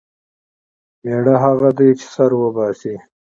مېړه هغه دی چې سر وباسي.